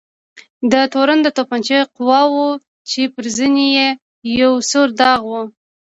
دا تورن د توپچي قواوو و چې پر زنې یې یو سور داغ و.